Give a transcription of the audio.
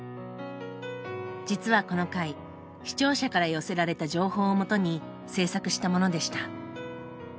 実はこの回視聴者から寄せられた情報をもとに制作したものでした。